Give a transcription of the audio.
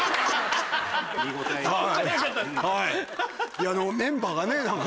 いやでもメンバーがね何か。